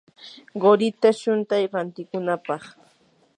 qurita shuntay rantikunapaq.